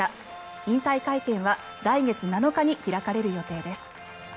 引退会見は来月７日に開かれる予定です。